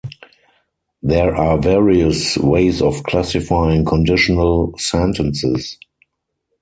There are various ways of classifying conditional sentences.